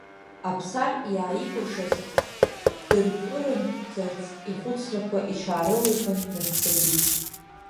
Аԥсар, иааикәыршаз дыртәырымтәӡарц, ихәыцрақәа иҽаарылихын, днаццакит.